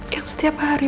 yang setiap hari